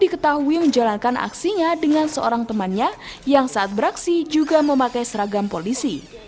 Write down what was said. diketahui menjalankan aksinya dengan seorang temannya yang saat beraksi juga memakai seragam polisi